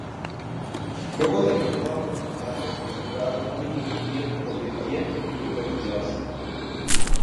Luego derrotó al sexto sembrado Dominic Thiem porque Thiem tuvo que retirarse.